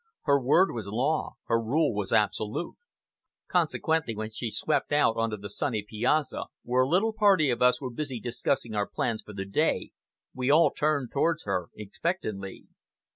Her word was law, her rule was absolute. Consequently, when she swept out on to the sunny piazza, where a little party of us were busy discussing our plans for the day, we all turned towards her expectantly.